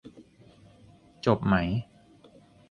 จบไหม ?